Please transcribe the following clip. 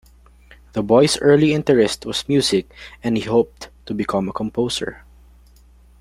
The boy's early interest was music and he hoped to become a composer.